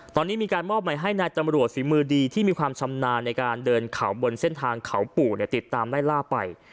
ตอนนี้มีการมอบหมายให้นายตำรวจฝีมือดีที่มีความชำนาญในการเดินเขาบนเส้นทางเขาปู่ติดตามไล่ล่าไป